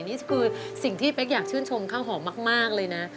นี่คือสิ่งที่เป๊กอยากชื่นชมข้าวหอมมากเลยนะ